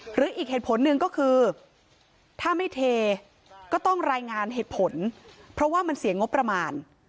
หรืออีกเหตุผลหนึ่งก็คือถ้าไม่เทก็ต้องรายงานเหตุผลเพราะว่ามันเสียงงบประมาณ